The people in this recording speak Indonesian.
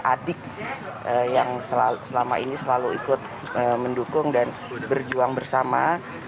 adik yang selama ini selalu ikut mendukung dan berjuang bersama